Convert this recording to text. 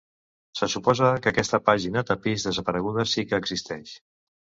Se suposa que aquesta pàgina tapís desapareguda sí que existeix.